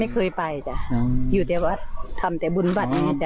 ไม่เคยไปจ้ะอยู่ที่วัดทำแต่บุญวัดเนี่ยจ้ะ